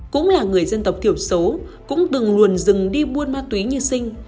cũng là người dân tộc thiểu số cũng từng luồn rừng đi buôn ma túy như sinh